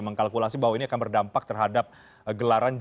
mengkalkulasi bahwa ini akan berdampak terhadap gelaran g dua puluh